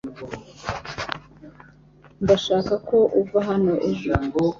Ndashaka ko uva hano ejo .